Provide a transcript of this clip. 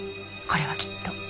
これはきっと。